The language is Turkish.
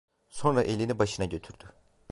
Sonra elini başına götürdü.